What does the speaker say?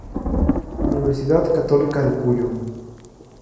Universidad Católica de Cuyo.